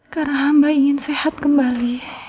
karena hamba ingin sehat kembali